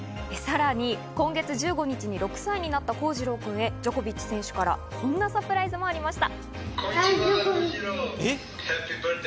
さらに今月１５日に６歳になった康次郎君へジョコビッチ選手からこんなサプライズがありました。